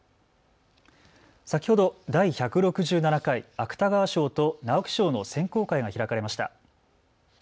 先ほど第１６７回芥川賞と直木賞の選考会が開かれました。